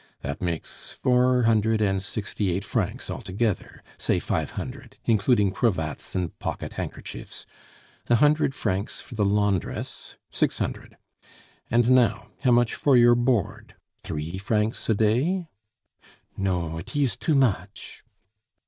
That makes four hundred and sixty eight francs altogether. Say five hundred, including cravats and pocket handkerchiefs; a hundred francs for the laundress six hundred. And now, how much for your board three francs a day?" "No, it ees too much."